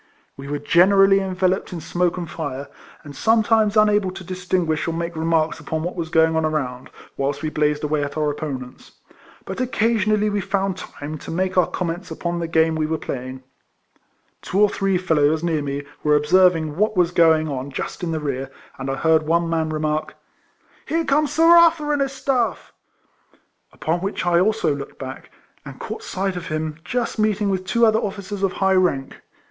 We were generally enveloped in smoke and fire, and sometimes unable to distinguish or make remarks upon what was going on around, whilst we blazed away at our opponents; but occasionally we found time to make our comments upon the game we were playing. Two or three fellows near me were observing what was going on just in the rear, and I heard one man remark, " Here comes Sir Arthur and his staff; " upon which I also looked back, and caught sight of him just meeting with two other officers of high rank.